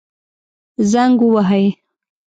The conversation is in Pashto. زنګ ووهئ